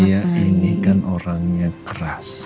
saya ini kan orangnya keras